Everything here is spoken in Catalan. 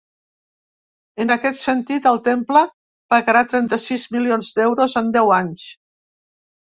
En aquest sentit, el temple pagarà trenta-sis milions d’euros en deu anys.